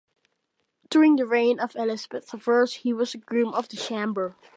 During the reign of Elizabeth the First, he was a Groom of the Chamber.